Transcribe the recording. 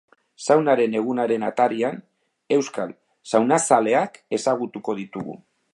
Saunaren egunaren atarian, euskal saunazaleak ezagutuko ditugu.